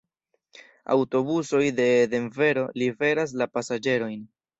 Aŭtobusoj de Denvero liveras la pasaĝerojn.